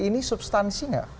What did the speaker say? ini substansi tidak